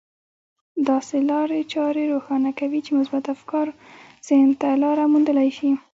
داسې لارې چارې روښانه کوي چې مثبت افکار ذهن ته لاره موندلای شي.